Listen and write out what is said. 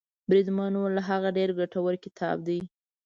بریدمن وویل هغه ډېر ګټور کتاب دی.